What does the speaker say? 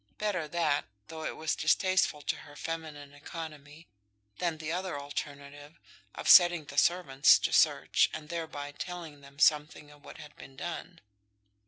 Better that, though it was distasteful to her feminine economy, than the other alternative of setting the servants to search, and thereby telling them something of what had been done.